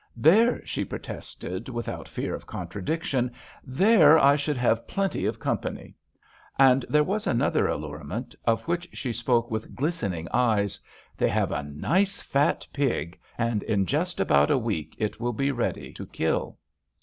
"There," she protested, without fear of contradiction, "there I should have plenty of company." And there was still another allurement, of which she spoke with glisten ing eyes. "They have a nice fat pig, and in just about a week it will be ready to kill."